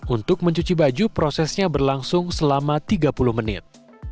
untuk mencuci baju prosesnya berlangsung selama tiga puluh menit